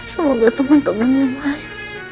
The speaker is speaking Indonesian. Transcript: semoga teman teman yang lain